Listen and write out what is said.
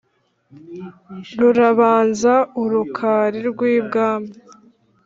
Rurabanza u Rukari Rw'i Bwami